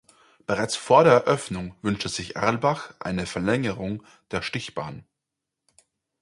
Bereits vor der Eröffnung wünschte sich Erlbach eine Verlängerung der Stichbahn.